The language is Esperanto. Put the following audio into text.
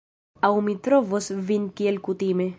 Aŭ mi trovos vin kiel kutime...